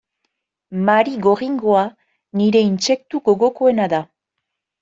Marigorringoa nire intsektu gogokoena da.